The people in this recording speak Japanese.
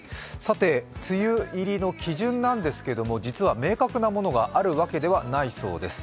梅雨入りの基準なんですけれども実は明確なものがあるわけではないそうです。